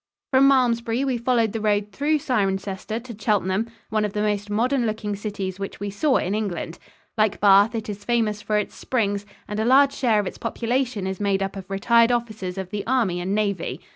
From Malmesbury we followed the road through Cirencester to Cheltenham, one of the most modern looking cities which we saw in England. Like Bath, it is famous for its springs, and a large share of its population is made up of retired officers of the army and navy.